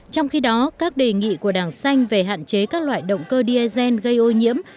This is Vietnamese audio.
trong khi đó các đề nghị của đảng xanh về hạn chế các loại động cơ diesel gây ô nhiễm